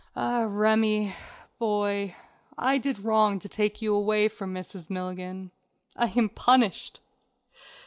Ah, Remi, boy, I did wrong to take you away from Mrs. Milligan. I am punished.